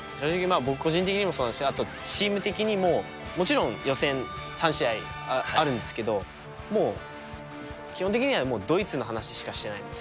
僕個人的にもそうなんですけど、あとチーム的にも、もちろん予選３試合あるんですけど、もう、基本的にはドイツの話しかしてないです。